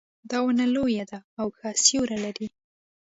دا ونه لویه ده او ښه سیوري لري